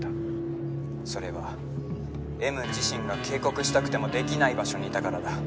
☎それはＭ自身が警告したくてもできない場所にいたからだ